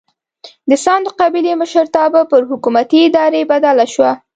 د ساندو قبیلې مشرتابه پر حکومتي ادارې بدله شوه.